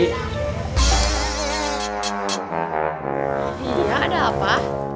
iya ada apa